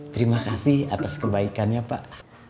terima kasih atas kebaikannya pak